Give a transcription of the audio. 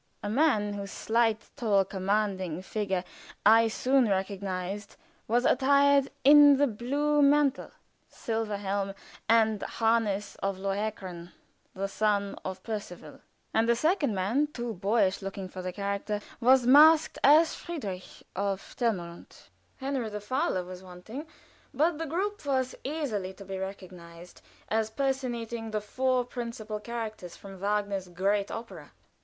A man, whose slight, tall, commanding figure I soon recognized, was attired in the blue mantle, silver helm and harness of Lohengrin the son of Percivale; and a second man, too boyish looking for the character, was masked as Frederic of Telramund. Henry the Fowler was wanting, but the group was easily to be recognized as personating the four principal characters from Wagner's great opera.